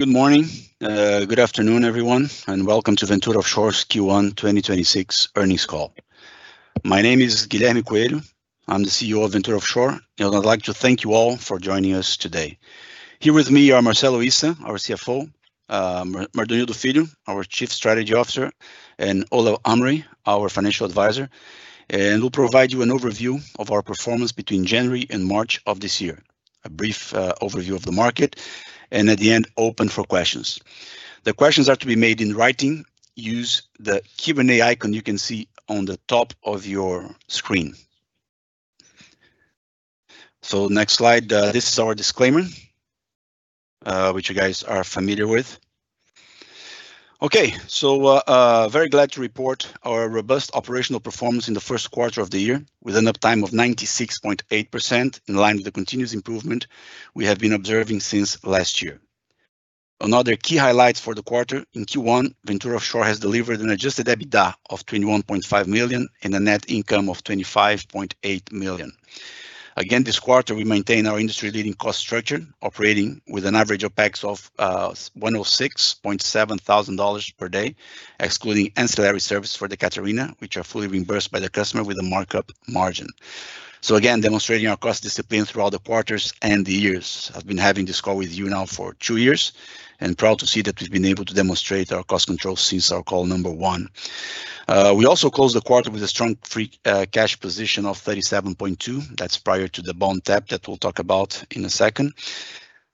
Good morning, good afternoon, everyone, welcome to Ventura Offshore's Q1 2026 Earnings Call. My name is Guilherme Coelho. I'm the CEO of Ventura Offshore, and I'd like to thank you all for joining us today. Here with me are Marcelo Issa, our CFO, Mardonildo Filho, our Chief Strategy Officer, and Olav Hamre, our Financial Advisor, and we'll provide you an overview of our performance between January and March of this year, a brief overview of the market, and at the end, open for questions. The questions are to be made in writing. Use the Q&A icon you can see on the top of your screen. Next slide. This is our disclaimer, which you guys are familiar with. Okay. Very glad to report our robust operational performance in the first quarter of the year, with an uptime of 96.8%, in line with the continuous improvement we have been observing since last year. Another key highlight for the quarter, in Q1, Ventura Offshore has delivered an adjusted EBITDA of $21.5 million and a net income of $25.8 million. Again, this quarter, we maintain our industry-leading cost structure, operating with an average OpEx of $106,700 per day, excluding ancillary services for the Catarina, which are fully reimbursed by the customer with a markup margin. Again, demonstrating our cost discipline throughout the quarters and the years. I've been having this call with you now for two years, and proud to see that we've been able to demonstrate our cost control since our call number one. We also closed the quarter with a strong free cash position of $37.2 million. That's prior to the bond tap that we'll talk about in a second.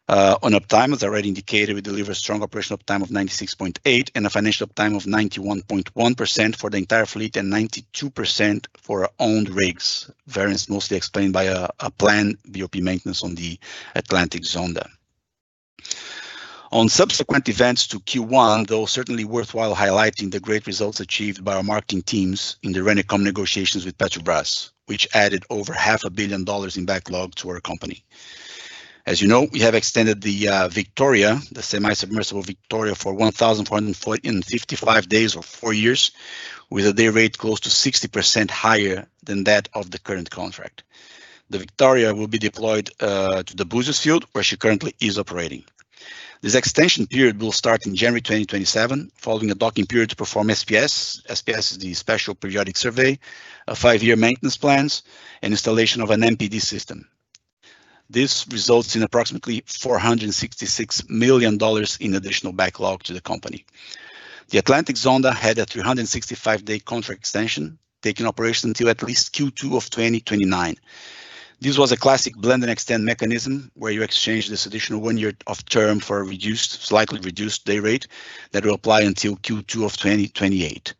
On uptime, as already indicated, we delivered strong operational uptime of 96.8% and a financial uptime of 91.1% for the entire fleet and 92% for our owned rigs. Variance mostly explained by a planned BOP maintenance on the Atlantic Zonda. On subsequent events to Q1, though certainly worthwhile highlighting the great results achieved by our marketing teams in the Renecom negotiations with Petrobras, which added over $500 million in backlog to our company. As you know, we have extended the Victoria, the semi-submersible Victoria, for 1,455 days or four years, with a day rate close to 60% higher than that of the current contract. The Victoria will be deployed to the Búzios field, where she currently is operating. This extension period will start in January 2027, following a docking period to perform SPS. SPS is the Special Periodic Survey, a five-year maintenance plans, and installation of an MPD system. This results in approximately $466 million in additional backlog to the company. The Atlantic Zonda had a 365-day contract extension, taking operation until at least Q2 of 2029. This was a classic blend-and-extend mechanism, where you exchange this additional one year of term for a slightly reduced day rate that will apply until Q2 of 2028.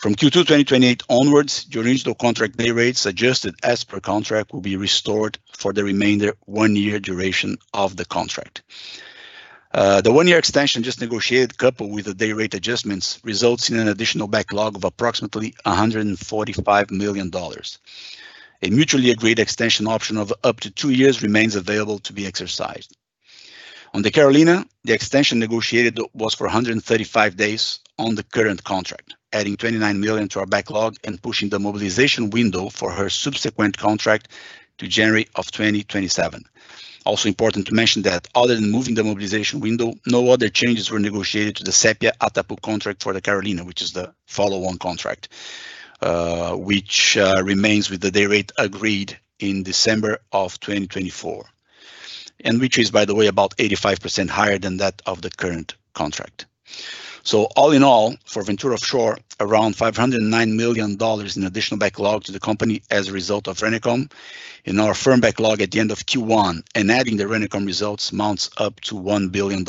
From Q2 2028 onwards, your original contract day rate adjusted as per contract will be restored for the remainder of the one-year duration of the contract. The one-year extension just negotiated, coupled with the day rate adjustments, results in an additional backlog of approximately $145 million. A mutually agreed extension option of up to two years remains available to be exercised. On the Carolina, the extension negotiated was for 135 days on the current contract, adding $29 million to our backlog and pushing the mobilization window for her subsequent contract to January of 2027. Also important to mention that other than moving the mobilization window, no other changes were negotiated to the Sépia-Atapu contract for the Carolina, which is the follow-on contract, which remains with the day rate agreed in December of 2024, which is, by the way, about 85% higher than that of the current contract. All in all, for Ventura Offshore, around $509 million in additional backlog to the company as a result of Renecom and our firm backlog at the end of Q1, adding the Renecom results amounts up to $1 billion.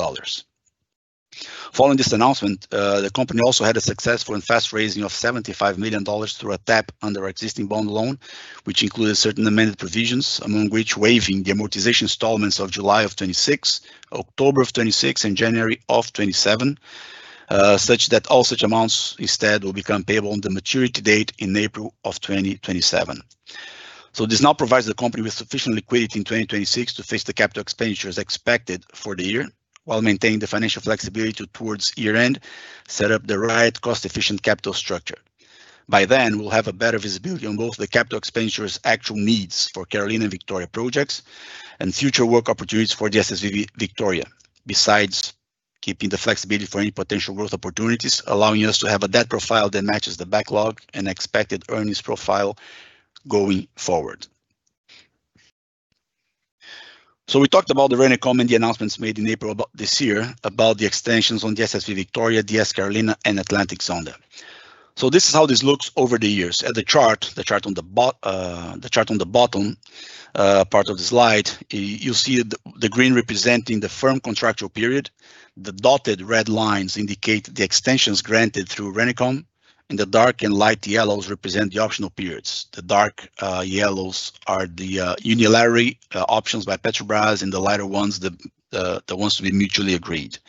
Following this announcement, the company also had a successful and fast raising of $75 million through a tap on their existing bond loan, which included certain amended provisions, among which waiving the amortization installments of July of 2026, October of 2026, and January of 2027, such that all such amounts instead will become payable on the maturity date in April of 2027. This now provides the company with sufficient liquidity in 2026 to face the capital expenditures expected for the year, while maintaining the financial flexibility towards year-end, set up the right cost-efficient capital structure. By then, we'll have a better visibility on both the capital expenditures actual needs for Carolina and Victoria projects and future work opportunities for the SSV Victoria. Besides keeping the flexibility for any potential growth opportunities, allowing us to have a debt profile that matches the backlog and expected earnings profile going forward. We talked about the reand the announcements made in April about this year, about the extensions on the SSV Victoria, DS Carolina, and Atlantic Zonda. The chart on the bottom part of the slide, you'll see the green representing the firm contractual period. The dotted red lines indicate the extensions granted through Renecom, and the dark and light yellows represent the optional periods. The dark yellows are the unilateral options by Petrobras, and the lighter ones, the ones we mutually agreed.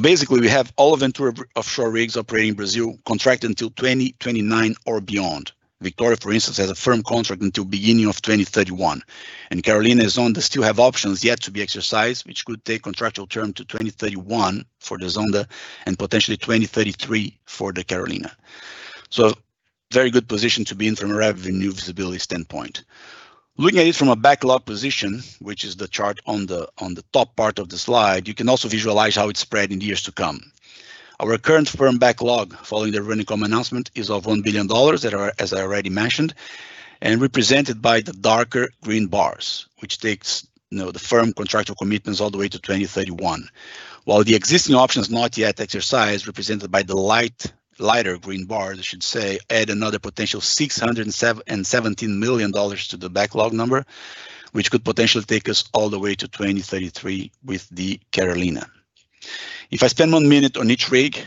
Basically, we have all of Ventura Offshore rigs operating in Brazil, contracted until 2029 or beyond. Victoria, for instance, has a firm contract until beginning of 2031, and Carolina and Zonda still have options yet to be exercised, which could take contractual term to 2031 for the Zonda and potentially 2033 for the Carolina. Very good position to be in from a revenue visibility standpoint. Looking at it from a backlog position, which is the chart on the top part of the slide, you can also visualize how it is spread in years to come. Our current firm backlog following the Renecon announcement, is of $1 billion that are, as I already mentioned, and represented by the darker green bars, which takes the firm contractual commitments all the way to 2031. While the existing options not yet exercised, represented by the lighter green bars, I should say, add another potential $617 million to the backlog number, which could potentially take us all the way to 2033 with the Carolina. If I spend one minute on each rig,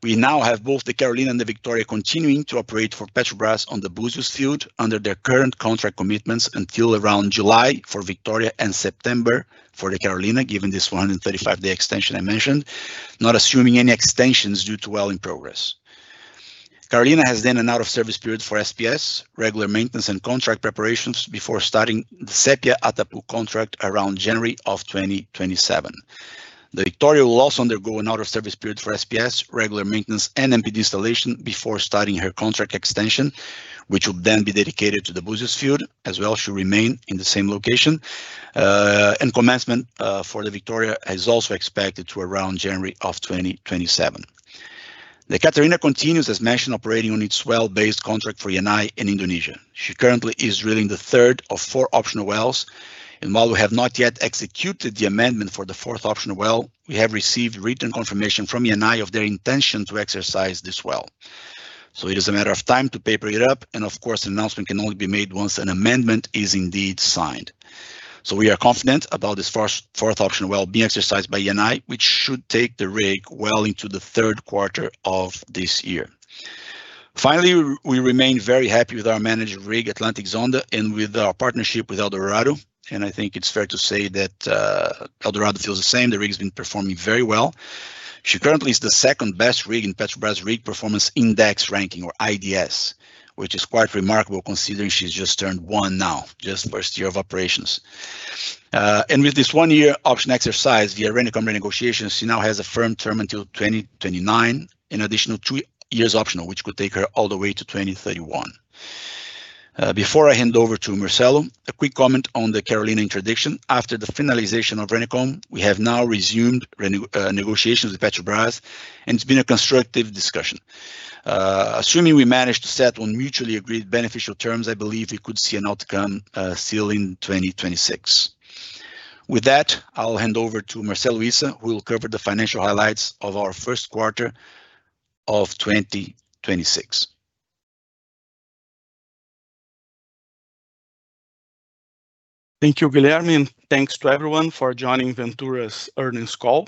we now have both the Carolina and the Victoria continuing to operate for Petrobras on the Búzios field under their current contract commitments until around July for Victoria and September for the Carolina, given this 135-day extension I mentioned, not assuming any extensions due to well in progress. Carolina has an out of service period for SPS, regular maintenance, and contract preparations before starting the Sépia-Atapu contract around January of 2027. The Victoria will also undergo an out of service period for SPS, regular maintenance, and MPD installation before starting her contract extension, which will then be dedicated to the Búzios field, as well should remain in the same location. Commencement, for the Victoria, is also expected to around January of 2027. The Catarina continues, as mentioned, operating on its well-based contract for Eni in Indonesia. She currently is drilling the third of four optional wells. While we have not yet executed the amendment for the fourth optional well, we have received written confirmation from Eni of their intention to exercise this well. It is a matter of time to paper it up. Of course, an announcement can only be made once an amendment is indeed signed. We are confident about this fourth optional well being exercised by Eni, which should take the rig well into the third quarter of this year. Finally, we remain very happy with our managed rig, Atlantic Zonda. With our partnership with Eldorado, I think it's fair to say that Eldorado feels the same. The rig's been performing very well. She currently is the second-best rig in Petrobras Rig Performance Index ranking, or IDS, which is quite remarkable considering she's just turned one now, just first year of operations. With this one-year option exercise, via Renecom renegotiations, she now has a firm term until 2029. An additional two years optional, which could take her all the way to 2031. Before I hand over to Marcelo, a quick comment on the Carolina interdiction. After the finalization of Renecom, we have now resumed negotiations with Petrobras, and it's been a constructive discussion. Assuming we manage to settle on mutually agreed beneficial terms, I believe we could see an outcome sealed in 2026. With that, I'll hand over to Marcelo Issa, who will cover the financial highlights of our first quarter of 2026. Thank you, Guilherme, and thanks to everyone for joining Ventura's earnings call.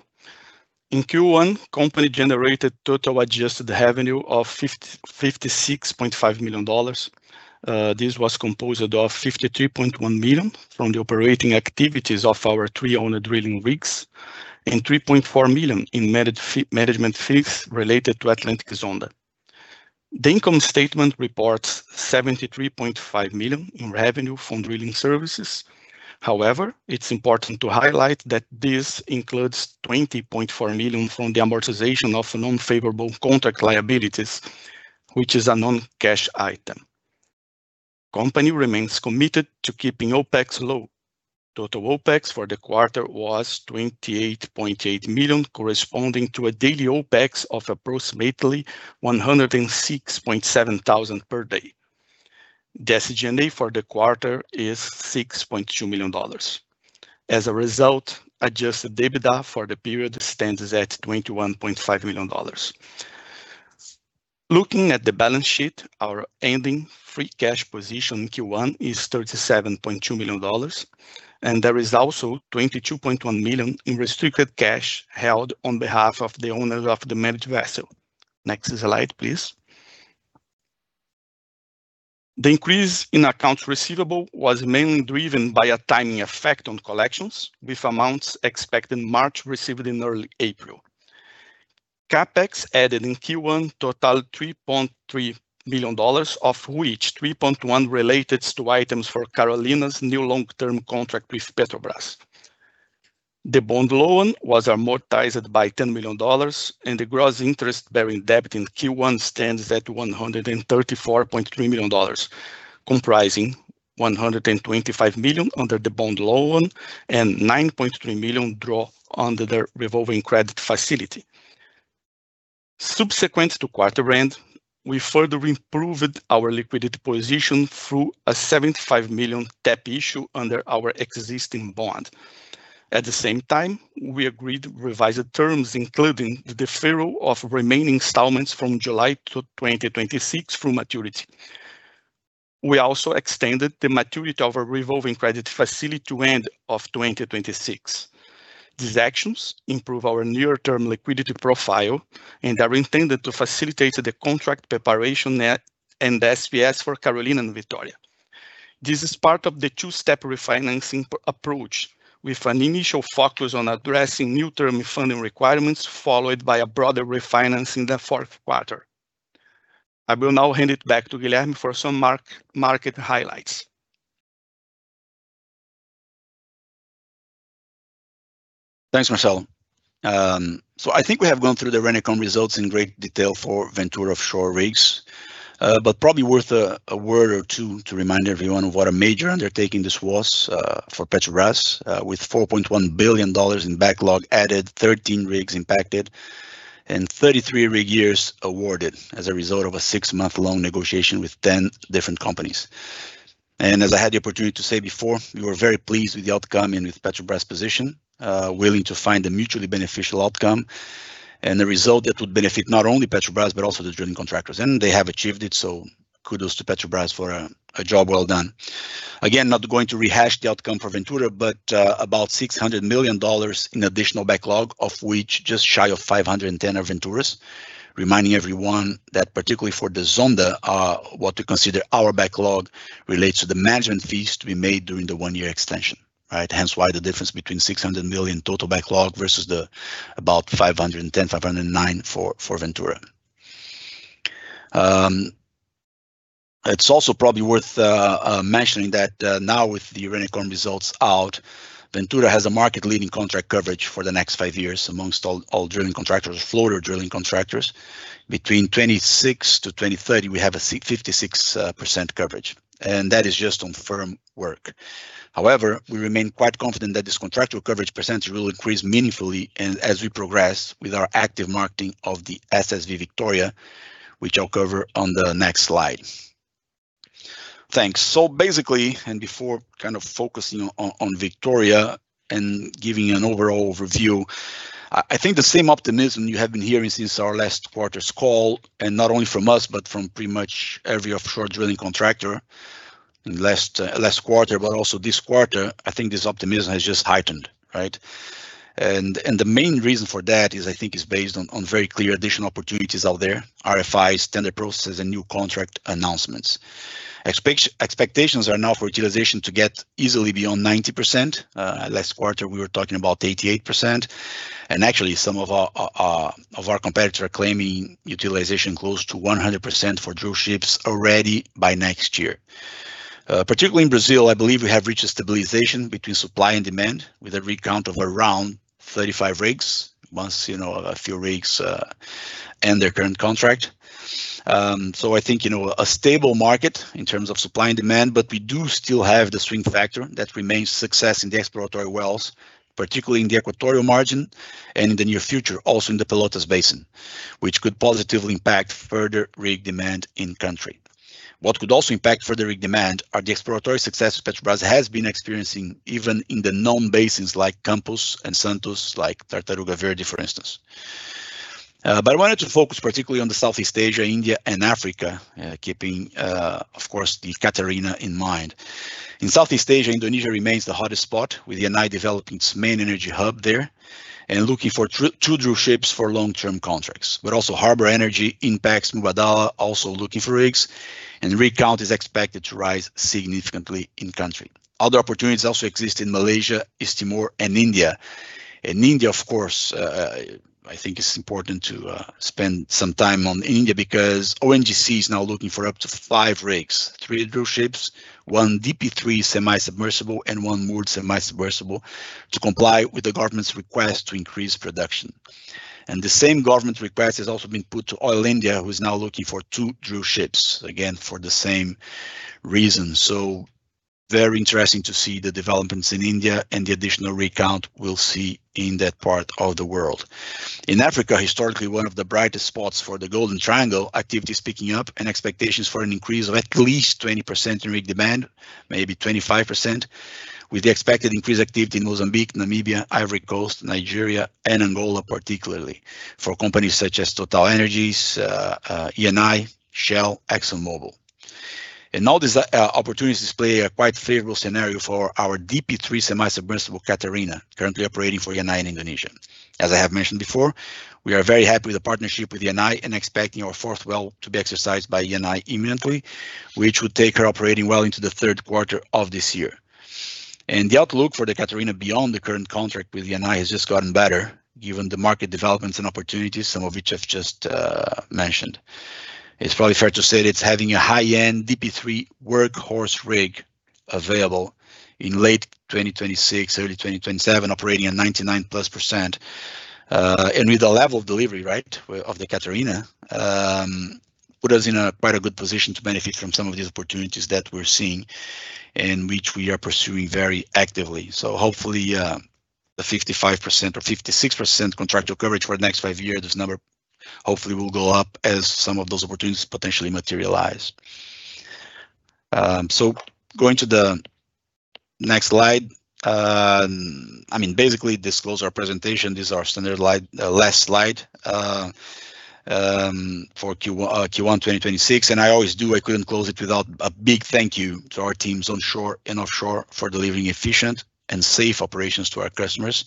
In Q1, company generated total adjusted revenue of $56.5 million. This was composed of $53.1 million from the operating activities of our three owned drilling rigs and $3.4 million in management fees related to Atlantic Zonda. The income statement reports $73.5 million in revenue from drilling services. However, it's important to highlight that this includes $20.4 million from the amortization of non-favorable contract liabilities, which is a non-cash item. Company remains committed to keeping OpEx low. Total OpEx for the quarter was $28.8 million, corresponding to a daily OpEx of approximately $106,700 per day. G&A for the quarter is $6.2 million. As a result, adjusted EBITDA for the period stands at $21.5 million. Looking at the balance sheet, our ending free cash position in Q1 is $37.2 million, and there is also $22.1 million in restricted cash held on behalf of the owners of the managed vessel. Next slide, please. The increase in accounts receivable was mainly driven by a timing effect on collections, with amounts expected in March received in early April. CapEx added in Q1 total $3.3 million, of which $3.1 related to items for Carolina's new long-term contract with Petrobras. The bond loan was amortized by $10 million. The gross interest-bearing debt in Q1 stands at $134.3 million, comprising $125 million under the bond loan and $9.3 million draw under the revolving credit facility. Subsequent to quarter end, we further improved our liquidity position through a $75 million tap issue under our existing bond. At the same time, we agreed revised terms, including the deferral of remaining installments from July of 2026 through maturity. We also extended the maturity of a revolving credit facility to end of 2026. These actions improve our near-term liquidity profile and are intended to facilitate the contract preparation and SPS for Carolina and Victoria. This is part of the two-step refinancing approach, with an initial focus on addressing near-term funding requirements, followed by a broader refinance in the fourth quarter. I will now hand it back to Guilherme for some market highlights. Thanks, Marcelo. I think we have gone through the Renecom results in great detail for Ventura Offshore Rigs, but probably worth a word or two to remind everyone of what a major undertaking this was, for Petrobras, with $4.1 billion in backlog added, 13 rigs impacted, and 33 rig years awarded as a result of a six-month-long negotiation with 10 different companies. As I had the opportunity to say before, we were very pleased with the outcome and with Petrobras' position, willing to find a mutually beneficial outcome and the result that would benefit not only Petrobras, but also the drilling contractors. They have achieved it, so kudos to Petrobras for a job well done. Again, not going to rehash the outcome for Ventura, but about $600 million in additional backlog, of which just shy of $510 million are Ventura's. Reminding everyone that particularly for the Zonda, what we consider our backlog relates to the management fees to be made during the one-year extension. Right? Hence why the difference between $600 million total backlog versus the about $509 million for Ventura. It's also probably worth mentioning that now with the Renecom results out, Ventura has a market-leading contract coverage for the next five years amongst all drilling contractors, floater drilling contractors. Between 2026-2030, we have a 56% coverage, and that is just on firm work. However, we remain quite confident that this contractual coverage percentage will increase meaningfully as we progress with our active marketing of the SSV Victoria, which I'll cover on the next slide. Thanks. Basically, and before kind of focusing on Victoria and giving you an overall overview, I think the same optimism you have been hearing since our last quarter's call, and not only from us, but from pretty much every offshore drilling contractor last quarter, but also this quarter, I think this optimism has just heightened. Right. The main reason for that is, I think it's based on very clear additional opportunities out there, RFIs, tender processes, and new contract announcements. Expectations are now for utilization to get easily beyond 90%. Last quarter, we were talking about 88%. Actually, some of our competitor claiming utilization close to 100% for drillships already by next year. Particularly in Brazil, I believe we have reached a stabilization between supply and demand with a rig count of around 35 rigs once a few rigs end their current contract. I think a stable market in terms of supply and demand, but we do still have the swing factor that remains success in the exploratory wells, particularly in the equatorial margin and in the near future, also in the Pelotas Basin, which could positively impact further rig demand in country. What could also impact further rig demand are the exploratory success Petrobras has been experiencing, even in the known basins like Campos and Santos, like Tartaruga Verde, for instance. I wanted to focus particularly on the Southeast Asia, India, and Africa, keeping, of course, the Catarina in mind. In Southeast Asia, Indonesia remains the hottest spot, with Eni developing its main energy hub there and looking for two drillships for long-term contracts. Also Harbour Energy, INPEX, Mubadala also looking for rigs, and rig count is expected to rise significantly in country. Other opportunities also exist in Malaysia, East Timor, and India. India, of course, I think it is important to spend some time on India because ONGC is now looking for up to five rigs, three drillships, one DP3 semi-submersible, and one moored semi-submersible to comply with the government's request to increase production. The same government request has also been put to Oil India, who is now looking for two drillships, again, for the same reason. Very interesting to see the developments in India and the additional rig count we will see in that part of the world. In Africa, historically one of the brightest spots for the Golden Triangle, activity is picking up. Expectations for an increase of at least 20% in rig demand, maybe 25%, with the expected increased activity in Mozambique, Namibia, Ivory Coast, Nigeria, and Angola, particularly for companies such as TotalEnergies, Eni, Shell, ExxonMobil. All these opportunities display a quite favorable scenario for our DP3 semi-submersible, Catarina, currently operating for Eni in Indonesia. As I have mentioned before, we are very happy with the partnership with Eni and expecting our fourth well to be exercised by Eni imminently, which would take her operating well into the third quarter of this year. The outlook for the Catarina beyond the current contract with Eni has just gotten better, given the market developments and opportunities, some of which I've just mentioned. It's probably fair to say that it's having a high-end DP3 workhorse rig available in late 2026, early 2027, operating at 99%+. With the level of delivery, right, of the Catarina, put us in a quite a good position to benefit from some of these opportunities that we're seeing and which we are pursuing very actively. Hopefully, the 55% or 56% contractual coverage for the next five years, this number hopefully will go up as some of those opportunities potentially materialize. Going to the next slide. I mean, basically this closes our presentation. This is our standard last slide, for Q1 2026. I always do, I couldn't close it without a big thank you to our teams onshore and offshore for delivering efficient and safe operations to our customers,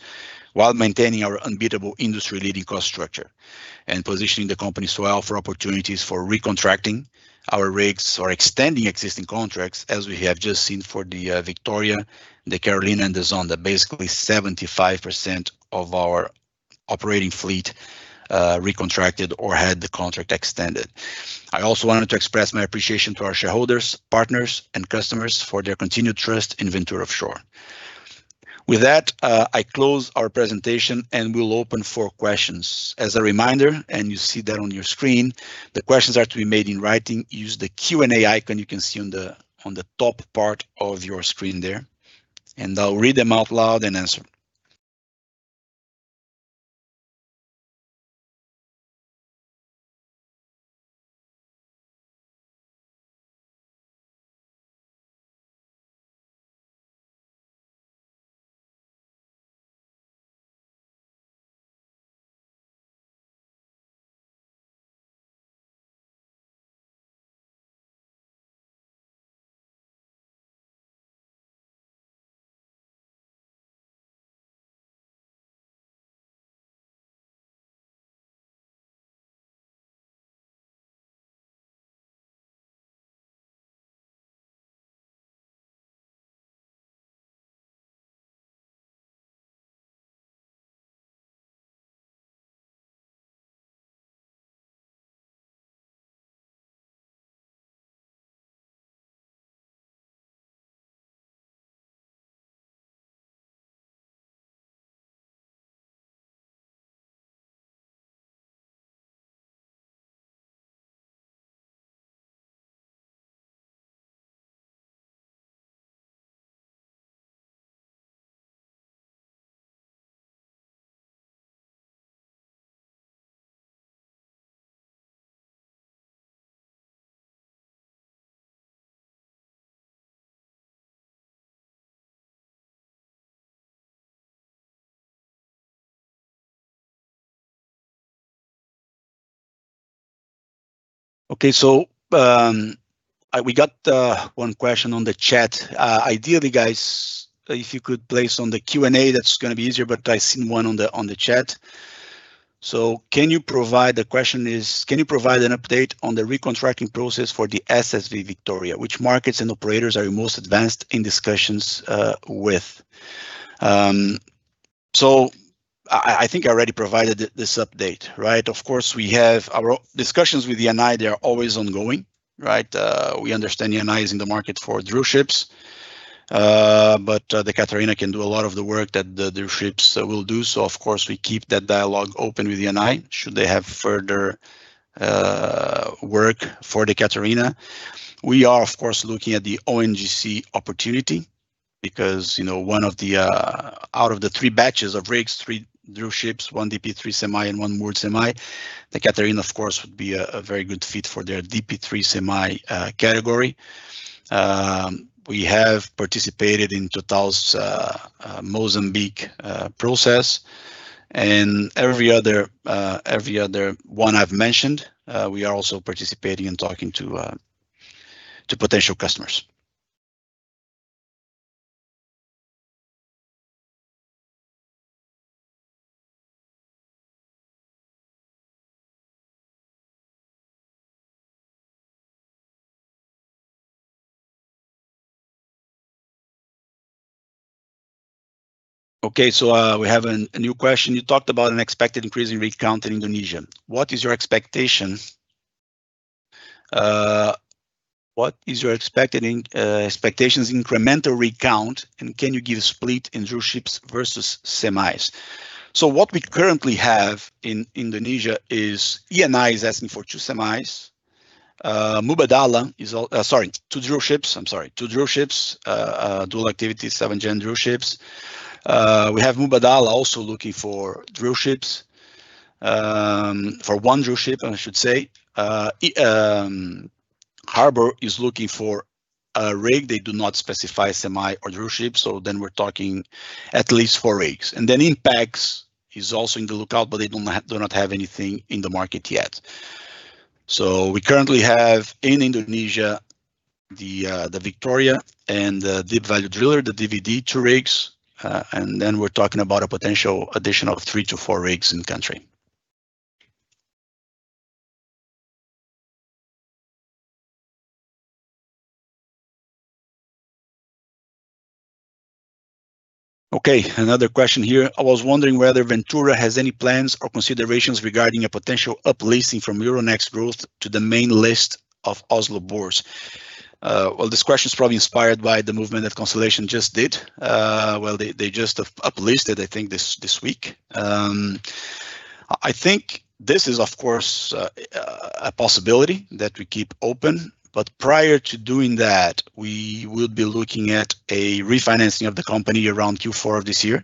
while maintaining our unbeatable industry-leading cost structure and positioning the company to offer opportunities for recontracting our rigs or extending existing contracts, as we have just seen for the Victoria, the Carolina, and the Zonda. Basically, 75% of our operating fleet recontracted or had the contract extended. I also wanted to express my appreciation to our shareholders, partners, and customers for their continued trust in Ventura Offshore. With that, I close our presentation and we'll open for questions. As a reminder, and you see that on your screen, the questions are to be made in writing. Use the Q&A icon you can see on the top part of your screen there, and I'll read them out loud and answer. Okay. We got one question on the chat. Ideally, guys, if you could place on the Q&A, that is going to be easier, I saw one on the chat. The question is: Can you provide an update on the recontracting process for the SSV Victoria? Which markets and operators are you most advanced in discussions with? I think I already provided this update, right? Of course, we have our discussions with Eni. They are always ongoing, right? We understand Eni is in the market for drillships. The Catarina can do a lot of the work that the drillships will do. Of course, we keep that dialogue open with Eni should they have further work for the Catarina. We are, of course, looking at the ONGC opportunity because out of the three batches of rigs, three drillships, one DP3 semi, and one moored semi, the Catarina, of course, would be a very good fit for their DP3 semi category. We have participated in Total's Mozambique process and every other one I've mentioned. We are also participating and talking to potential customers. Okay. We have a new question. You talked about an expected increase in rig count in Indonesia. What is your expectations incremental rig count, and can you give a split in drillships versus semis? What we currently have in Indonesia is Eni is asking for two semis. Mubadala, two drillships. I'm sorry. Two drillships, dual activity, 7th-gen drillships. We have Mubadala also looking for drillships. For one drillship, I should say. Harbour is looking for a rig. They do not specify semi or drillship, then we're talking at least four rigs. Then INPEX is also in the lookout, but they do not have anything in the market yet. We currently have in Indonesia, the Victoria and the Deep Value Driller, the DVD, two rigs. Then we're talking about a potential addition of three to four rigs in the country. Okay, another question here. I was wondering whether Ventura has any plans or considerations regarding a potential uplisting from Euronext Growth to the main list of Oslo Børs. This question is probably inspired by the movement that Constellation just did. They just uplisted, I think, this week. I think this is, of course, a possibility that we keep open. Prior to doing that, we will be looking at a refinancing of the company around Q4 of this year.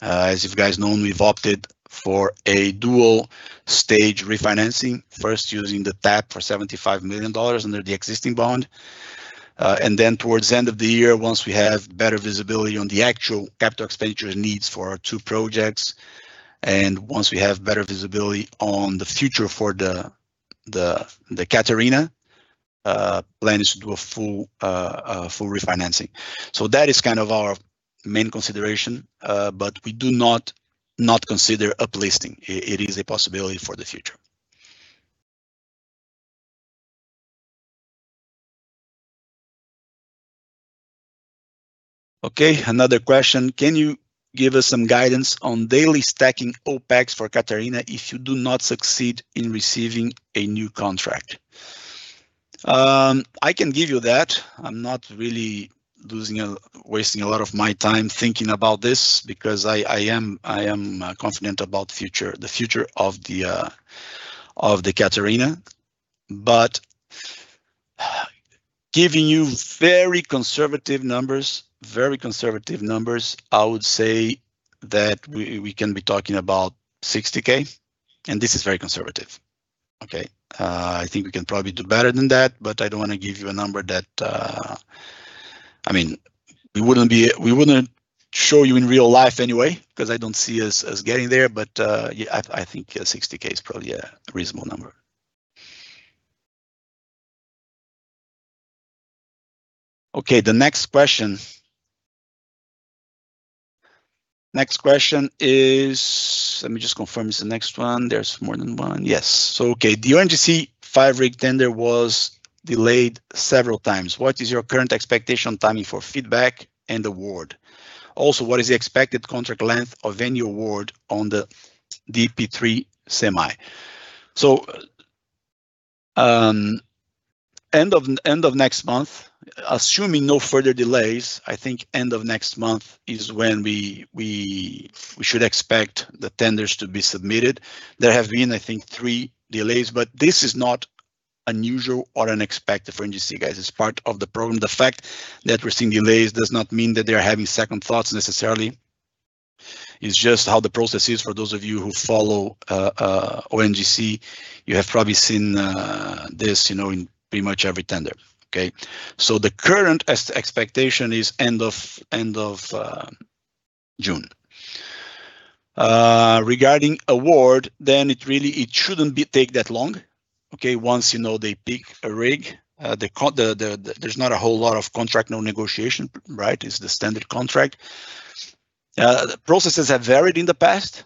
As you guys know, we've opted for a dual-stage refinancing, first using the tap for $75 million under the existing bond. Towards the end of the year, once we have better visibility on the actual capital expenditure needs for our two projects, and once we have better visibility on the future for the Catarina, plan is to do a full refinancing. That is kind of our main consideration. We do not consider uplisting. It is a possibility for the future. Okay, another question. Can you give us some guidance on daily stacking OpEx for Catarina if you do not succeed in receiving a new contract? I can give you that. I'm not really wasting a lot of my time thinking about this because I am confident about the future of the Catarina. Giving you very conservative numbers, I would say that we can be talking about $60,000, and this is very conservative. Okay. I think we can probably do better than that, I don't want to give you a number that we wouldn't show you in real life anyway, because I don't see us getting there. Yeah, I think $60,000 is probably a reasonable number. Okay, the next question. Next question is, let me just confirm it's the next one. There's more than one. Yes. Okay. The ONGC five-rig tender was delayed several times. What is your current expectation timing for feedback and award? What is the expected contract length of any award on the DP3 semi? End of next month, assuming no further delays, I think end of next month is when we should expect the tenders to be submitted. There have been, I think, three delays, but this is not unusual or unexpected for ONGC, guys. It's part of the program. The fact that we're seeing delays does not mean that they're having second thoughts necessarily. It's just how the process is. For those of you who follow ONGC, you have probably seen this in pretty much every tender. Okay. The current expectation is end of June. Regarding award, it really shouldn't take that long. Okay. Once they pick a rig, there's not a whole lot of contract, no negotiation, right? It's the standard contract. The processes have varied in the past,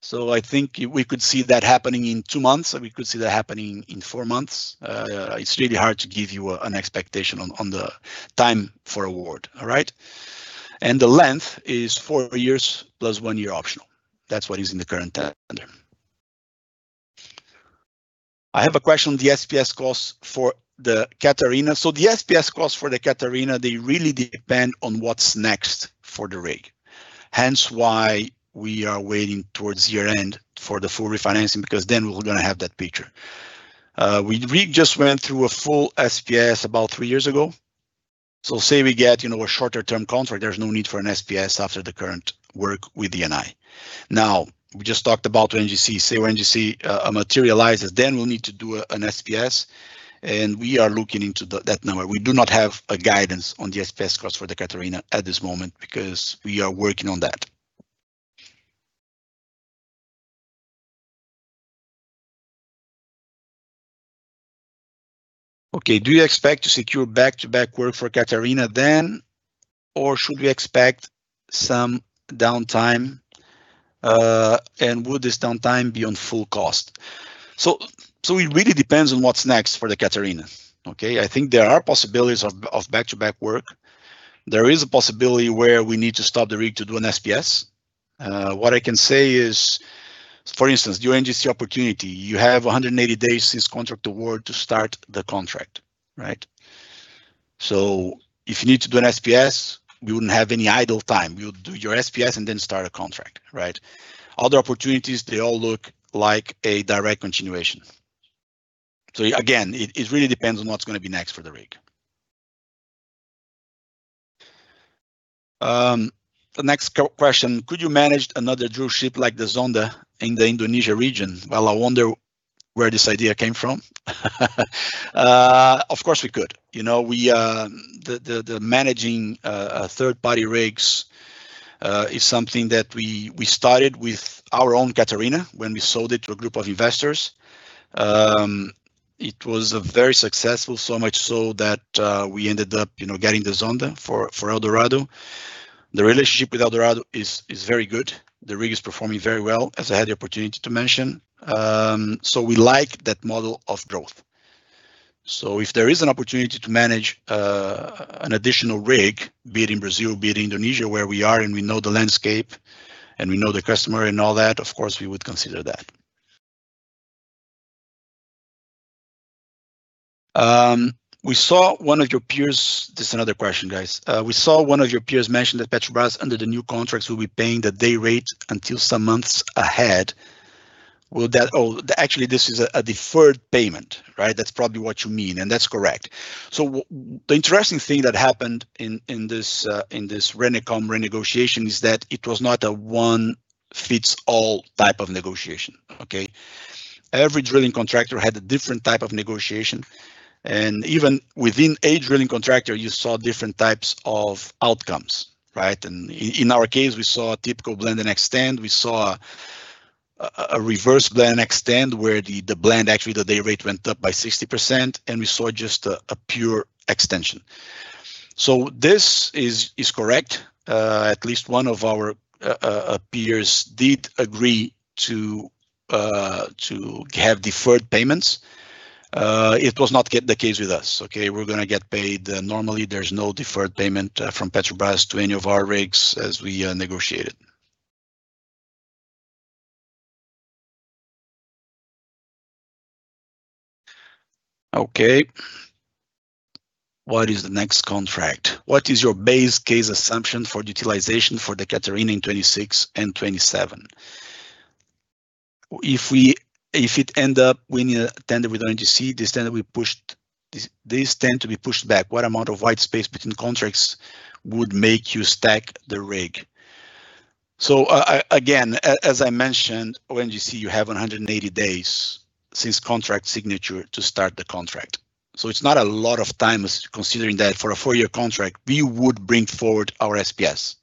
so I think we could see that happening in two months, and we could see that happening in four months. It's really hard to give you an expectation on the time for award. All right? The length is four years plus one year optional. That's what is in the current tender. I have a question on the SPS costs for the Catarina. The SPS costs for the Catarina, they really depend on what's next for the rig, hence why we are waiting towards year-end for the full refinancing, because then we're going to have that picture. We just went through a full SPS about three years ago. Say we get a shorter-term contract, there's no need for an SPS after the current work with Eni. Now, we just talked about ONGC. Say ONGC materializes, then we'll need to do an SPS, and we are looking into that now. We do not have a guidance on the SPS cost for the Catarina at this moment because we are working on that. Do you expect to secure back-to-back work for Catarina then, or should we expect some downtime? Would this downtime be on full cost? It really depends on what's next for the Catarina. I think there are possibilities of back-to-back work. There is a possibility where we need to stop the rig to do an SPS. What I can say is, for instance, the ONGC opportunity, you have 180 days since contract award to start the contract. Right? If you need to do an SPS, we wouldn't have any idle time. You'll do your SPS and then start a contract. Right? Other opportunities, they all look like a direct continuation. Again, it really depends on what's going to be next for the rig. The next question. Could you manage another drillship like the Zonda in the Indonesia region? Well, I wonder where this idea came from. Of course, we could. Managing third-party rigs is something that we started with our own Catarina when we sold it to a group of investors. It was very successful, so much so that we ended up getting the Zonda for Eldorado. The relationship with Eldorado is very good. The rig is performing very well, as I had the opportunity to mention. We like that model of growth. If there is an opportunity to manage an additional rig, be it in Brazil, be it Indonesia, where we are and we know the landscape and we know the customer and all that, of course, we would consider that. This is another question, guys. We saw one of your peers mention that Petrobras, under the new contracts, will be paying the day rate until some months ahead. Actually, this is a deferred payment, right? That's probably what you mean. That's correct. The interesting thing that happened in this Renecom renegotiation is that it was not a one-fits-all type of negotiation. Okay? Every drilling contractor had a different type of negotiation. Even within a drilling contractor, you saw different types of outcomes. Right? In our case, we saw a typical blend and extend. We saw a reverse blend and extend, where the blend, actually, the day rate went up by 60%. We saw just a pure extension. This is correct. At least one of our peers did agree to have deferred payments. It was not the case with us. We're going to get paid. Normally, there's no deferred payment from Petrobras to any of our rigs as we negotiated. Okay. What is the next contract? What is your base case assumption for utilization for the Catarina in 2026 and 2027? If it end up winning a tender with ONGC, these tend to be pushed back. What amount of white space between contracts would make you stack the rig? Again, as I mentioned, ONGC, you have 180 days since contract signature to start the contract. It's not a lot of time considering that for a four-year contract, we would bring forward our SPS.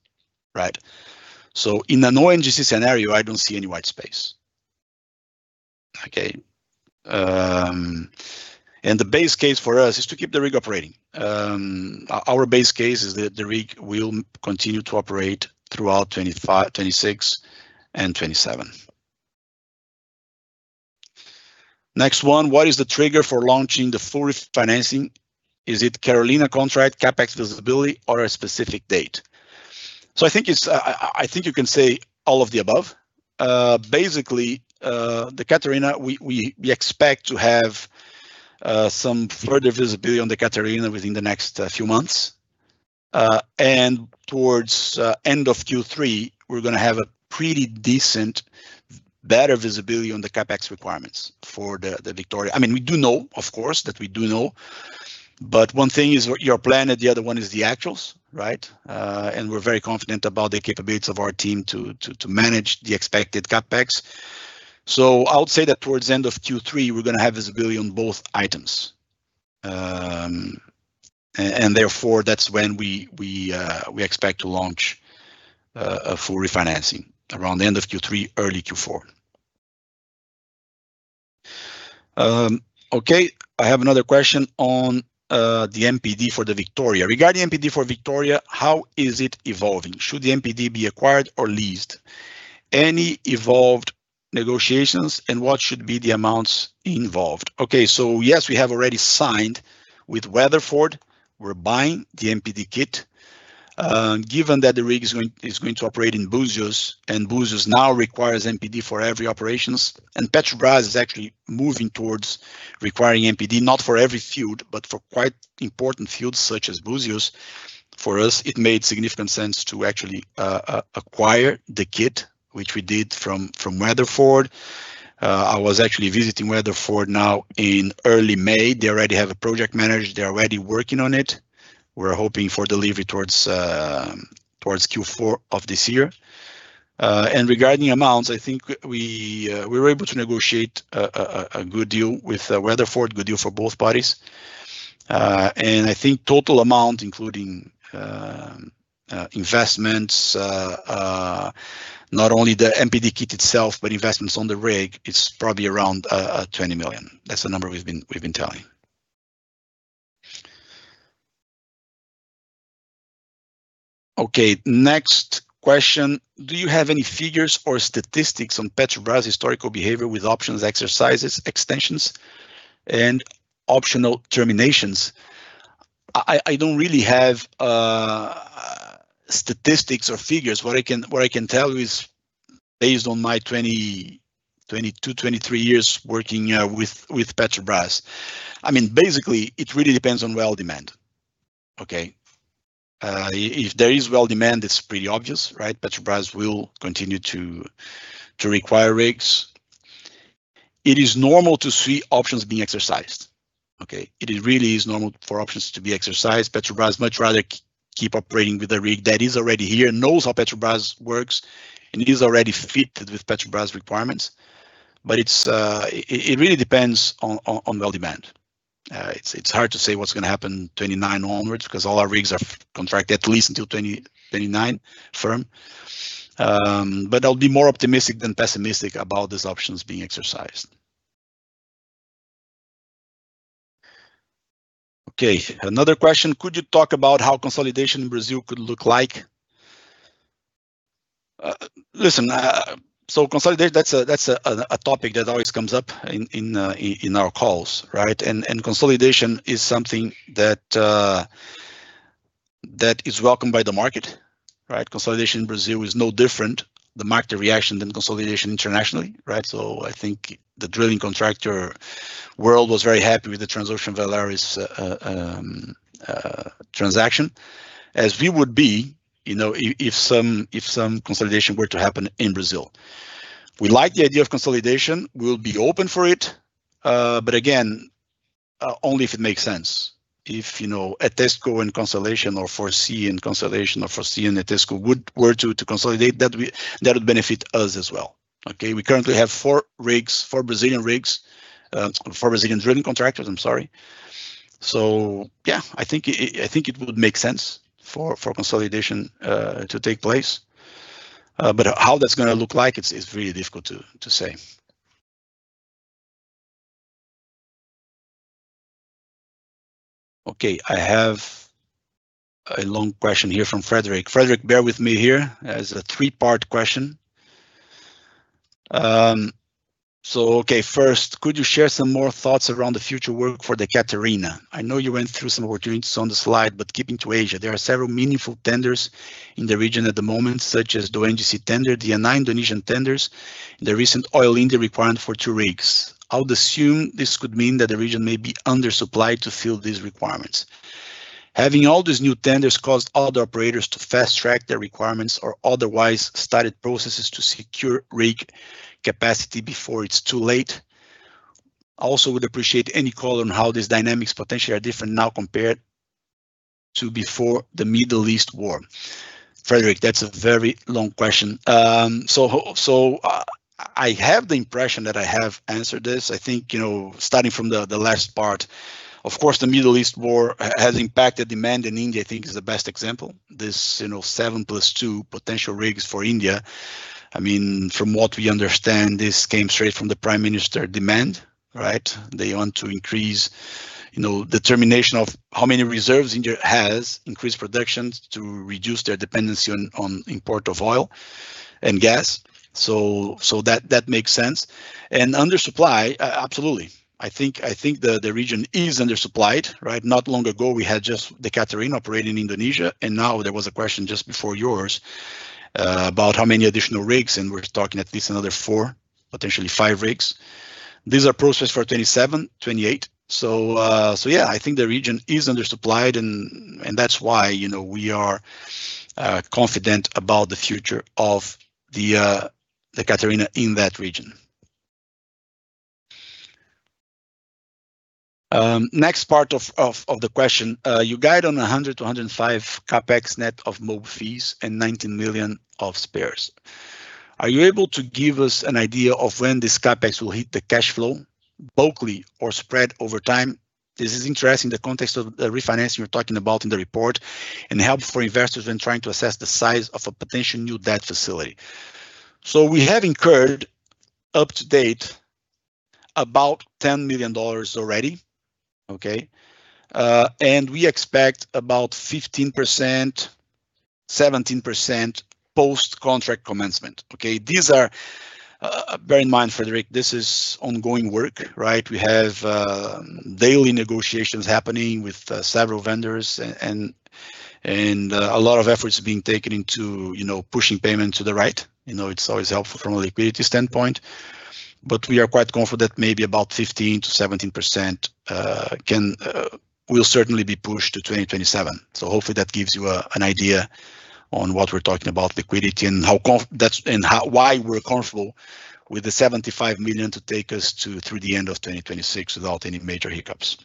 In a no-ONGC scenario, I don't see any white space. Okay. The base case for us is to keep the rig operating. Our base case is that the rig will continue to operate throughout 2026 and 2027. Next one. What is the trigger for launching the full refinancing? Is it Catarina contract CapEx visibility or a specific date? I think you can say all of the above. Basically, the Catarina, we expect to have some further visibility on the Catarina within the next few months. Towards end of Q3, we're going to have a pretty decent, better visibility on the CapEx requirements for the Victoria. We do know, of course, that one thing is your plan and the other one is the actuals. We're very confident about the capabilities of our team to manage the expected CapEx. I would say that towards the end of Q3, we're going to have visibility on both items. Therefore, that's when we expect to launch a full refinancing around the end of Q3, early Q4. Okay. I have another question on the MPD for the Victoria. Regarding MPD for Victoria, how is it evolving? Should the MPD be acquired or leased? Any evolved negotiations, what should be the amounts involved? Okay. Yes, we have already signed with Weatherford. We're buying the MPD kit. Given that the rig is going to operate in Búzios now requires MPD for every operations, Petrobras is actually moving towards requiring MPD, not for every field, but for quite important fields such as Búzios. For us, it made significant sense to actually acquire the kit, which we did from Weatherford. I was actually visiting Weatherford now in early May. They already have a project manager. They're already working on it. We're hoping for delivery towards Q4 of this year. Regarding amounts, I think we were able to negotiate a good deal with Weatherford, good deal for both parties. I think total amount, including investments, not only the MPD kit itself, but investments on the rig, it's probably around $20 million. That's the number we've been telling. Okay, next question. Do you have any figures or statistics on Petrobras' historical behavior with options, exercises, extensions, and optional terminations? I don't really have statistics or figures. What I can tell you is based on my 22 years, 23 years working with Petrobras. Basically, it really depends on well demand. Okay. If there is well demand, it's pretty obvious. Petrobras will continue to require rigs. It is normal to see options being exercised. It really is normal for options to be exercised. Petrobras much rather keep operating with a rig that is already here and knows how Petrobras works and is already fitted with Petrobras requirements. It really depends on well demand. It's hard to say what's going to happen 2029 onwards because all our rigs are contracted at least until 2029 firm. I'll be more optimistic than pessimistic about these options being exercised. Okay, another question. Could you talk about how consolidation in Brazil could look like? Listen, consolidation, that's a topic that always comes up in our calls. Consolidation is something that is welcomed by the market. Consolidation in Brazil is no different, the market reaction than consolidation internationally. I think the drilling contractor world was very happy with the Transocean Valaris transaction, as we would be, if some consolidation were to happen in Brazil. We like the idea of consolidation. We'll be open for it. Again, only if it makes sense. If Etesco and consolidation, or Foresea and consolidation, or Foresea and Etesco were to consolidate, that would benefit us as well. We currently have four Brazilian drilling contractors, I'm sorry. Yeah, I think it would make sense for consolidation to take place. How that's going to look like, it's really difficult to say. Okay, I have a long question here from Frederick. Frederick, bear with me here. It's a three-part question. Okay, first, could you share some more thoughts around the future work for the Catarina? I know you went through some opportunities on the slide, but keeping to Asia, there are several meaningful tenders in the region at the moment, such as the ONGC tender, the Eni Indonesian tenders, the recent Oil India requirement for two rigs. I would assume this could mean that the region may be undersupplied to fill these requirements. Having all these new tenders caused other operators to fast-track their requirements or otherwise started processes to secure rig capacity before it's too late. I also would appreciate any color on how these dynamics potentially are different now compared to before the Middle East war. Frederick, that's a very long question. I have the impression that I have answered this. I think, starting from the last part, of course, the Middle East war has impacted demand. India, I think, is the best example. These 7+2 potential rigs for India. From what we understand, this came straight from the Prime Minister demand, right? They want to increase determination of how many reserves India has, increase productions to reduce their dependency on import of oil and gas. That makes sense. Undersupply, absolutely. I think the region is undersupplied, right? Not long ago, we had just the Catarina operating in Indonesia, and now there was a question just before yours about how many additional rigs, and we're talking at least another four, potentially five rigs. These are processed for 2027, 2028. Yeah, I think the region is undersupplied, and that's why we are confident about the future of the Catarina in that region. Next part of the question. You guide on [$100 million-$105 million] CapEx net of mob fees and $19 million of spares. Are you able to give us an idea of when this CapEx will hit the cash flow, bulkily or spread over time? This is interesting in the context of the refinancing you're talking about in the report and help for investors when trying to assess the size of a potential new debt facility. We have incurred, up to date, about $10 million already. We expect about 15%, 17% post-contract commencement. Okay. Bear in mind, Frederick, this is ongoing work, right? We have daily negotiations happening with several vendors and a lot of efforts being taken into pushing payment to the right. It is always helpful from a liquidity standpoint, but we are quite confident maybe about 15%-17% will certainly be pushed to 2027. Hopefully that gives you an idea on what we are talking about, liquidity, and why we are comfortable with the $75 million to take us through the end of 2026 without any major hiccups.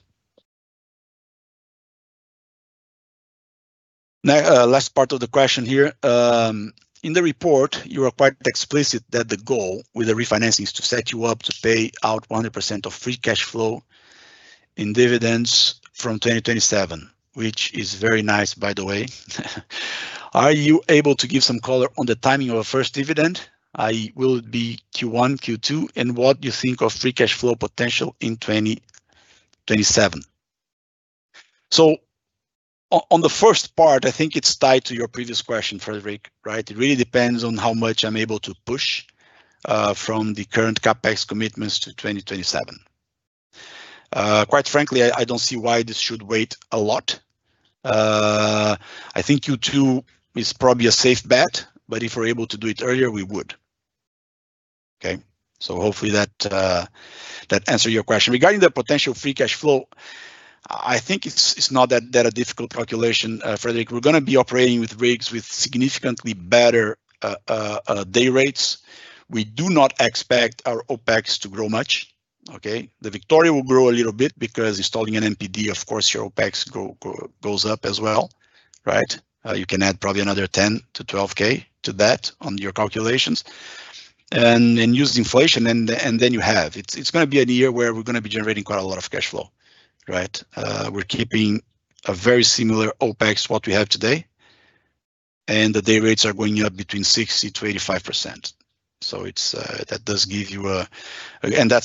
Last part of the question here. In the report, you are quite explicit that the goal with the refinancing is to set you up to pay out 100% of free cash flow in dividends from 2027, which is very nice, by the way. Are you able to give some color on the timing of a first dividend? i.e. will it be Q1, Q2, and what you think of free cash flow potential in 2027. On the first part, I think it's tied to your previous question, Frederick, right? It really depends on how much I'm able to push from the current CapEx commitments to 2027. Quite frankly, I don't see why this should wait a lot. I think Q2 is probably a safe bet, but if we're able to do it earlier, we would. Okay. Hopefully that answer your question. Regarding the potential free cash flow, I think it's not that difficult calculation, Frederick. We're going to be operating with rigs with significantly better day rates. We do not expect our OpEx to grow much. Okay? The Victoria will grow a little bit because installing an MPD, of course, your OpEx goes up as well. Right? You can add probably another $10,000-$12,000 to that on your calculations. Use inflation, and then you have It's going to be a year where we're going to be generating quite a lot of cash flow. Right? We're keeping a very similar OpEx to what we have today, and the day rates are going up between 60%-85%. That's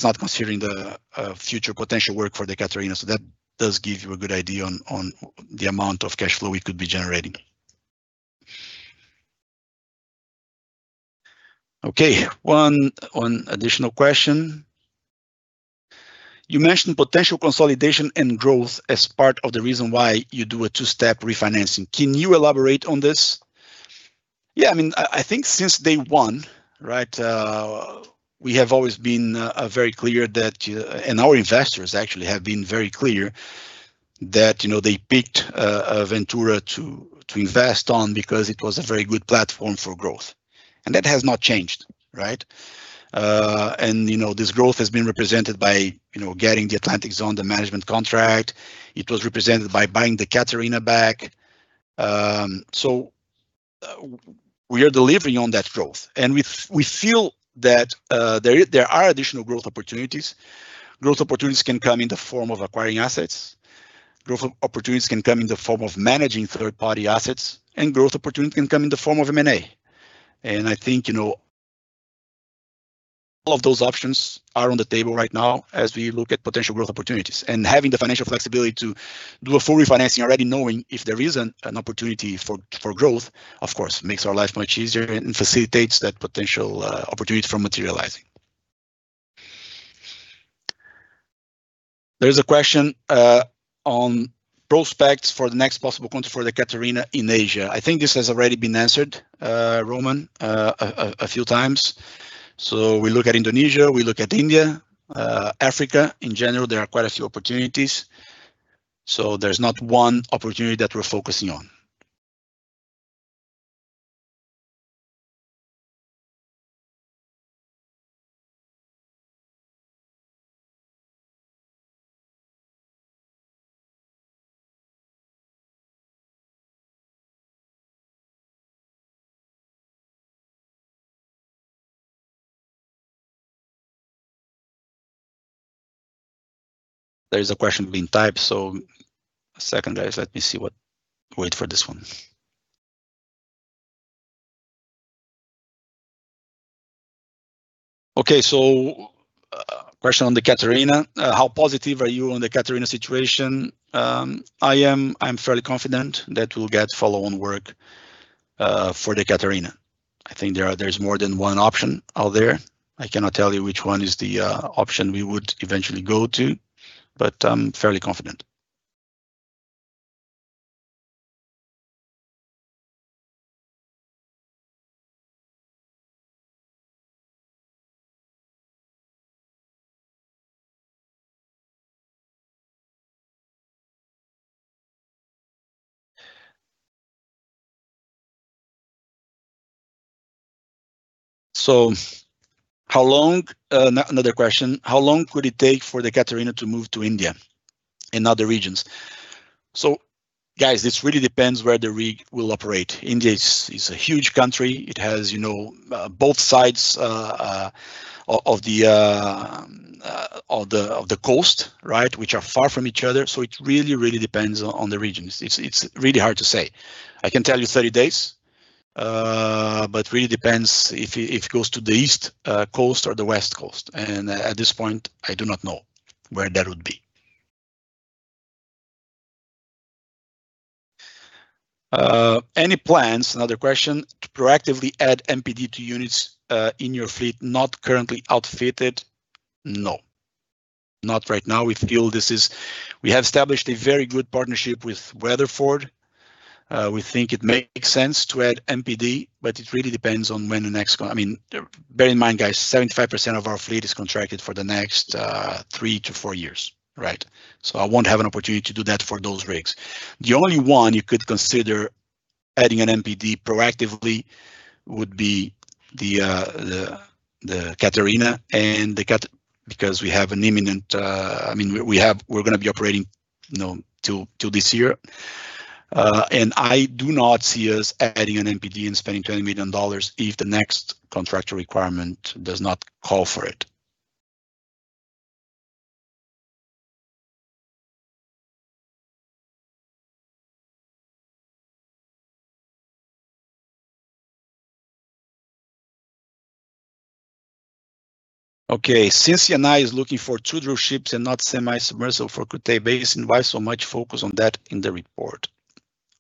not considering the future potential work for the Catarina, so that does give you a good idea on the amount of cash flow we could be generating. Okay, one additional question. You mentioned potential consolidation and growth as part of the reason why you do a two-step refinancing. Can you elaborate on this? I think since day one, right, we have always been very clear, and our investors actually have been very clear, that they picked Ventura to invest on because it was a very good platform for growth. That has not changed, right? This growth has been represented by getting the Atlantic Zonda, the management contract. It was represented by buying the Catarina back. We are delivering on that growth, and we feel that there are additional growth opportunities. Growth opportunities can come in the form of acquiring assets, growth opportunities can come in the form of managing third-party assets, and growth opportunities can come in the form of M&A. I think all of those options are on the table right now as we look at potential growth opportunities. Having the financial flexibility to do a full refinancing, already knowing if there is an opportunity for growth, of course makes our life much easier and facilitates that potential opportunity from materializing. There's a question on prospects for the next possible contract for the Catarina in Asia. I think this has already been answered, Roman, a few times. We look at Indonesia, we look at India, Africa. In general, there are quite a few opportunities. There's not one opportunity that we're focusing on. There is a question being typed, so a second, guys. Let me wait for this one. Okay. Question on the Catarina. How positive are you on the Catarina situation? I'm fairly confident that we'll get follow-on work for the Catarina. I think there's more than one option out there. I cannot tell you which one is the option we would eventually go to, but I'm fairly confident. Another question. How long could it take for the Catarina to move to India and other regions? Guys, this really depends where the rig will operate. India is a huge country. It has both sides of the coast, right, which are far from each other. It really, really depends on the region. It's really hard to say. I can tell you 30 days, but really depends if it goes to the East Coast or the West Coast. And at this point, I do not know where that would be. Any plans, another question, to proactively add MPD to units in your fleet not currently outfitted? No. Not right now. We have established a very good partnership with Weatherford. We think it makes sense to add MPD. Bear in mind, guys, 75% of our fleet is contracted for the next three to four years, right? I won't have an opportunity to do that for those rigs. The only one you could consider adding an MPD proactively would be the Catarina and the [Cat], because we're going to be operating till this year. I do not see us adding an MPD and spending $20million if the next contract requirement does not call for it. Okay. Since Eni is looking for two drillships and not semi-submersible for Kutei Basin, why so much focus on that in the report?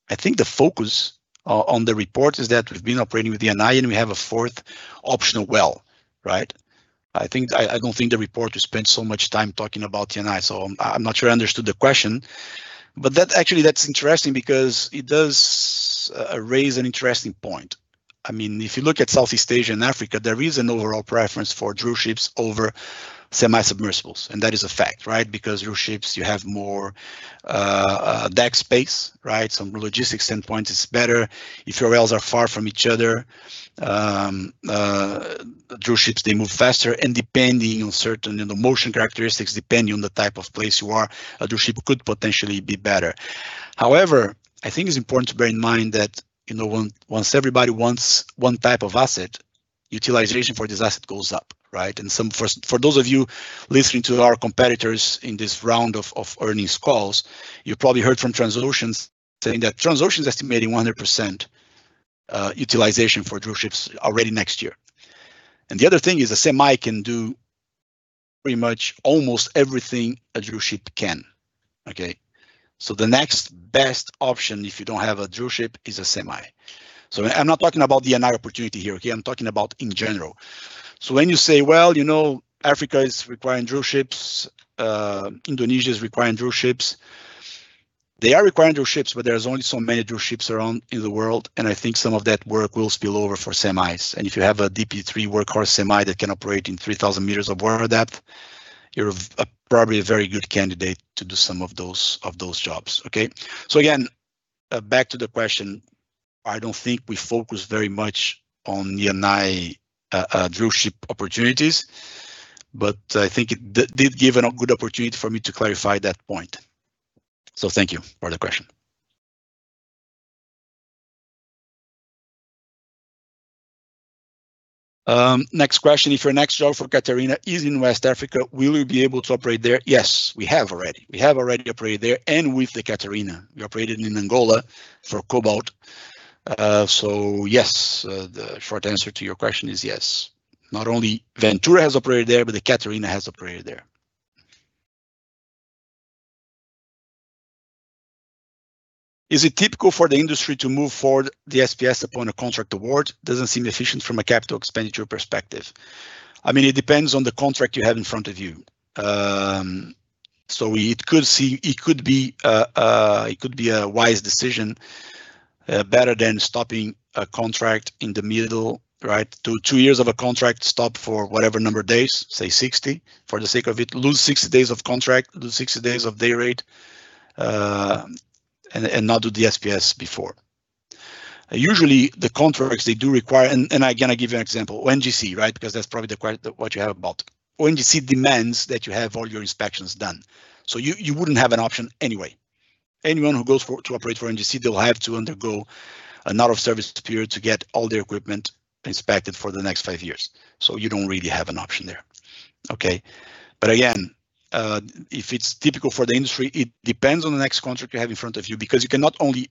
I think the focus on the report is that we've been operating with Eni, and we have a 4th optional well, right? I don't think the report would spend so much time talking about Eni so I'm not sure I understood the question. Actually, that's interesting because it does raise an interesting point. If you look at Southeast Asia and Africa, there is an overall preference for drillships over semi-submersibles, and that is a fact, right? Because drillships, you have more deck space, right? From a logistics standpoint, it's better. If your wells are far from each other, drillships, they move faster. Depending on certain motion characteristics, depending on the type of place you are, a drillship could potentially be better. However, I think it's important to bear in mind that once everybody wants one type of asset, utilization for this asset goes up, right? For those of you listening to our competitors in this round of earnings calls, you probably heard from Transocean saying that Transocean's estimating 100% utilization for drillships already next year. The other thing is a semi can do pretty much almost everything a drillship can. Okay? The next best option if you don't have a drillship is a semi. I'm not talking about the Eni opportunity here, okay? I'm talking about in general. When you say, well, Africa is requiring drillships, Indonesia is requiring drillships. They are requiring drillships, but there's only so many drillships around in the world, and I think some of that work will spill over for semis. If you have a DP3 workhorse semi that can operate in 3,000 m of water depth, you're probably a very good candidate to do some of those jobs. Okay? Again, back to the question. I don't think we focus very much on Eni drill ship opportunities, but I think it did give a good opportunity for me to clarify that point. Thank you for the question. Next question. If your next job for Catarina is in West Africa, will you be able to operate there? Yes, we have already. We have already operated there, and with the Catarina. We operated in Angola for Cobalt. Yes, the short answer to your question is yes. Not only Ventura has operated there, but the Catarina has operated there. Is it typical for the industry to move forward the SPS upon a contract award? Doesn't seem efficient from a capital expenditure perspective. It depends on the contract you have in front of you. It could be a wise decision, better than stopping a contract in the middle, right? Two years of a contract stopped for whatever number of days, say 60, for the sake of it. Lose 60 days of contract, lose 60 days of day rate, not do the SPS before. Usually the contracts they do require. Again, I give you an example. ONGC, right? That's probably what you have about. ONGC demands that you have all your inspections done. You wouldn't have an option anyway. Anyone who goes to operate for ONGC, they'll have to undergo an out-of-service period to get all their equipment inspected for the next five years. You don't really have an option there. Okay? Again, if it's typical for the industry, it depends on the next contract you have in front of you because you can not only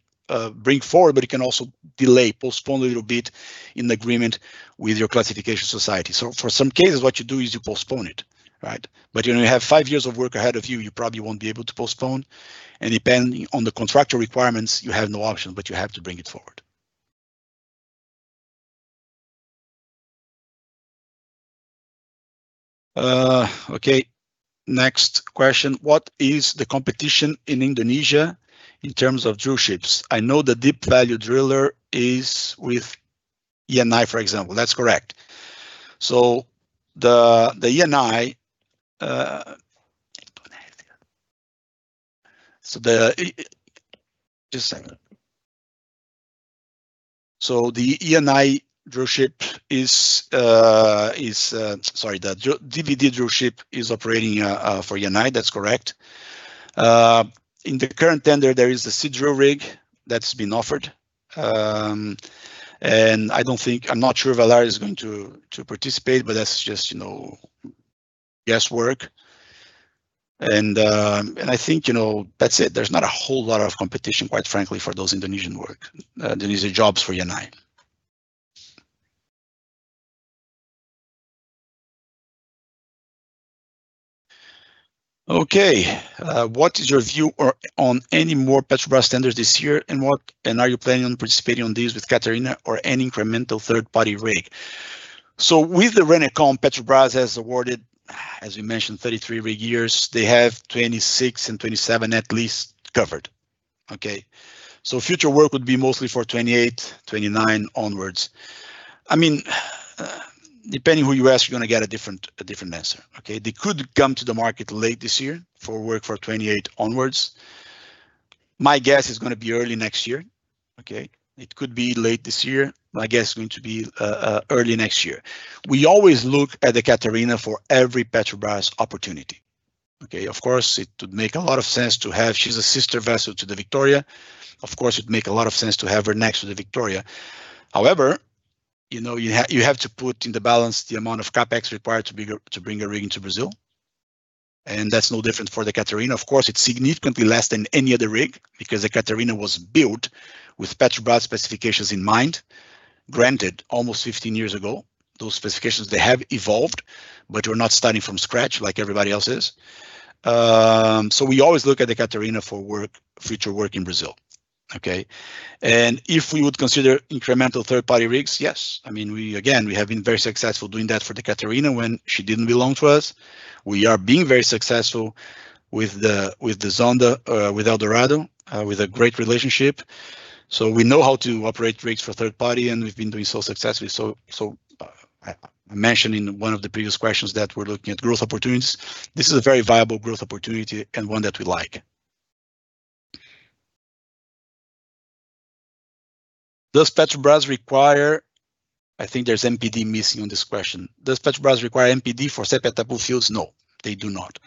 bring forward, but you can also delay, postpone a little bit in agreement with your classification society. For some cases, what you do is you postpone it, right? When you have five years of work ahead of you probably won't be able to postpone, and depending on the contractual requirements, you have no option, but you have to bring it forward. Okay, next question: "What is the competition in Indonesia in terms of drillships? I know the Deep Value Driller is with Eni, for example." That's correct. The DVD drill ship is operating for Eni. That's correct. In the current tender, there is the Seadrill rig that's been offered. I'm not sure if Valaris is going to participate, but that's just guesswork. I think that's it. There's not a whole lot of competition, quite frankly, for those Indonesian work. Those are jobs for Eni. Okay. What is your view on any more Petrobras tenders this year, and are you planning on participating on these with Catarina or any incremental third-party rig? With the Renecom, Petrobras has awarded, as we mentioned, 33 rig years. They have 2026 and 2027 at least covered. Okay. Future work would be mostly for 2028, 2029 onwards. Depending who you ask, you're going to get a different answer. Okay. They could come to the market late this year for work for 2028 onwards. My guess is going to be early next year. Okay. It could be late this year. My guess is going to be early next year. We always look at the Catarina for every Petrobras opportunity. Okay? Of course, it would make a lot of sense. She's a sister vessel to the Victoria. Of course, it would make a lot of sense to have her next to the Victoria. You have to put in the balance the amount of CapEx required to bring a rig into Brazil, and that's no different for the Catarina. Of course, it's significantly less than any other rig because the Catarina was built with Petrobras specifications in mind. Granted, almost 15 years ago. Those specifications, they have evolved, but we're not starting from scratch like everybody else is. We always look at the Catarina for future work in Brazil. Okay? If we would consider incremental third-party rigs, yes. We have been very successful doing that for the Catarina when she didn't belong to us. We are being very successful with Eldorado, with a great relationship. We know how to operate rigs for third party, and we've been doing so successfully. I mentioned in one of the previous questions that we're looking at growth opportunities. This is a very viable growth opportunity and one that we like. Does Petrobras require, I think there's MPD missing on this question. Does Petrobras require MPD for Sépia-Atapu fields? No, they do not.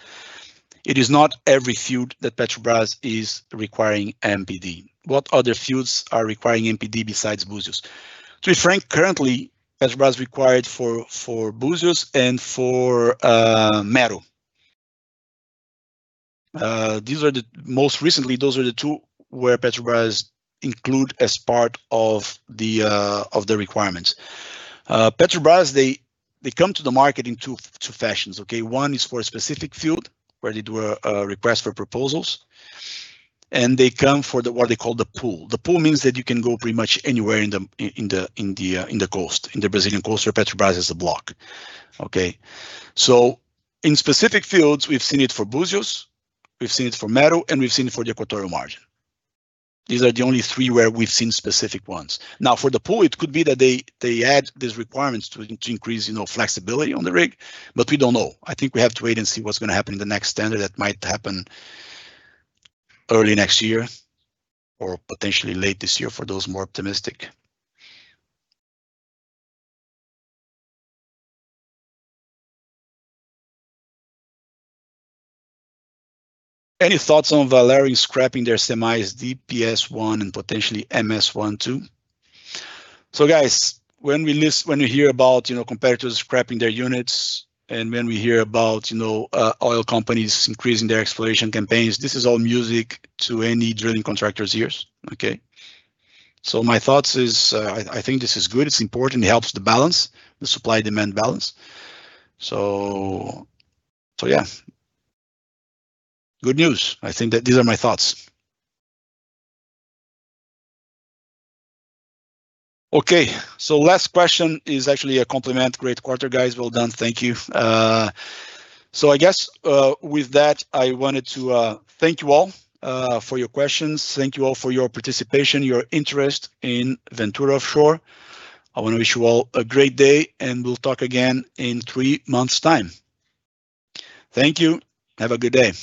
It is not every field that Petrobras is requiring MPD. What other fields are requiring MPD besides Búzios? To be frank, currently, Petrobras required for Búzios and for Marlim. Most recently, those are the two where Petrobras include as part of the requirements. Petrobras, they come to the market in two fashions. One is for a specific field where they do a request for proposals, and they come for what they call the pool. The pool means that you can go pretty much anywhere in the coast, in the Brazilian coast, where Petrobras has a block. Okay? In specific fields, we've seen it for Búzios, we've seen it for Mero, and we've seen it for the Equatorial Margin. These are the only three where we've seen specific ones. For the pool, it could be that they add these requirements to increase flexibility on the rig, but we don't know. I think we have to wait and see what's going to happen in the next tender. That might happen early next year, or potentially late this year for those more optimistic. Any thoughts on Valaris scrapping their semi-DPS-1 and potentially MS-1, too?" Guys, when you hear about competitors scrapping their units and when we hear about oil companies increasing their exploration campaigns, this is all music to any drilling contractor's ears. Okay? My thoughts is, I think this is good. It's important. It helps the balance, the supply-demand balance. Yeah. Good news. I think that these are my thoughts. Okay, last question is actually a compliment. "Great quarter, guys. Well done." Thank you. I guess, with that, I wanted to thank you all for your questions. Thank you all for your participation, your interest in Ventura Offshore. I want to wish you all a great day, and we'll talk again in three months' time. Thank you. Have a good day.